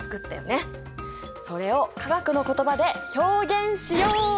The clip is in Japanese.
それを化学の言葉で表現しよう！